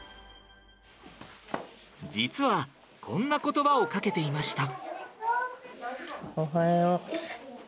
実はこんな言葉をかけていました。